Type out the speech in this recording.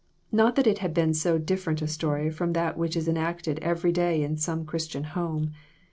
Not that it had been so different a story from that which is enacted every day in some Christian home.